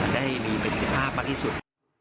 ได้มีประสิทธิภาพมากที่สุด